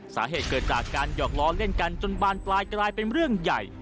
สาเหตุเกิดจากการหยอกล้อเล่นกันจนบานปลายกลายเป็นเรื่องใหญ่